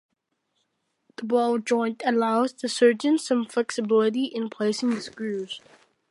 The ball joint allows the surgeon some flexibility in placing the screws.